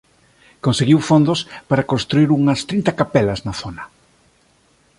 Conseguiu fondos para construír unhas trinta capelas na zona.